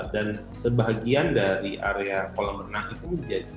dan sebagian dari area kolam renang itu menjadi